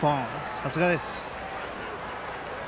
さすがです！